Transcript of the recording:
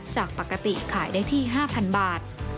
จากปกติขายได้ที่๕๐๐บาท